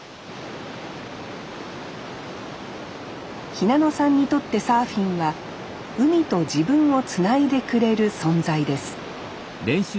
日向野さんにとってサーフィンは海と自分をつないでくれる存在です